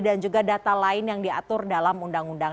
dan juga data lain yang diatur dalam undang undang